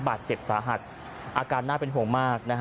บาดเจ็บสาหัสอาการน่าเป็นห่วงมากนะฮะ